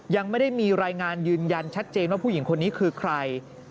ยังไม่ได้มีรายงานยืนยันชัดเจนว่าผู้หญิงคนนี้คือใคร